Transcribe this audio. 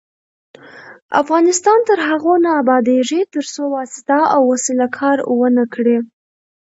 افغانستان تر هغو نه ابادیږي، ترڅو واسطه او وسیله کار ونه کړي.